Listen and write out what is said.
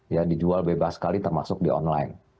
ya dijual bebas sekali termasuk di online